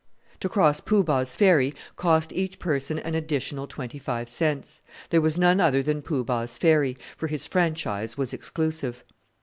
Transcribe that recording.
To cross Poo Bah's ferry cost each person an additional twenty five cents. There was none other than Poo Bah's ferry, for his franchise was exclusive.